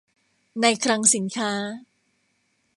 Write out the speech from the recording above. นายคลังสินค้า